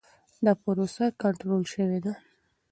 دا پروسه کنټرول شوې ده.